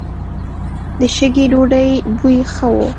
د شګې ډوډۍ بوی ښه و.